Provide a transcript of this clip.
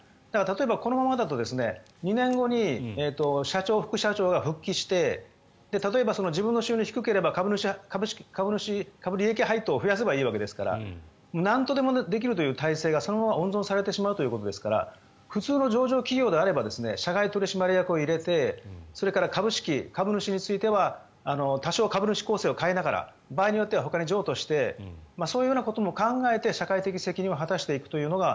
このままだと２年後に社長・副社長が復帰して例えば自分の収入が低ければ株主配当を増やせばいいわけですからなんとでもできるという体制がそのまま温存されてしまうということですから普通の上場企業であれば社外取締役を入れて株主については多少株主構成を変えながら場合によっては譲渡してそういうことも考えて社会的責任を果たしていくというのが